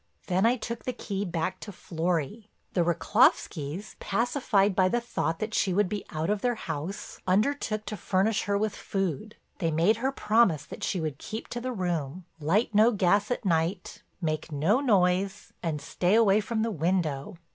Then I took the key back to Florry. The Rychlovskys, pacified by the thought that she would be out of their house, undertook to furnish her with food. They made her promise that she would keep to the room, light no gas at night, make no noise, and stay away from the window.